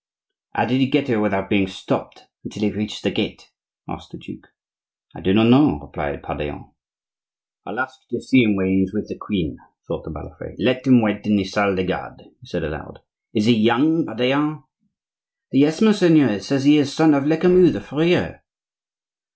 "How did he get here without being stopped until he reached the gate?" asked the duke. "I do not know," replied Pardaillan. "I'll ask to see him when he is with the queen," thought the Balafre. "Let him wait in the salle des gardes," he said aloud. "Is he young, Pardaillan?" "Yes, monseigneur; he says he is a son of Lecamus the furrier."